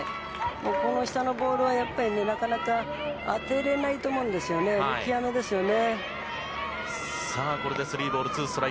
この下のボールはなかなか当てられないと思うので見極めですよね。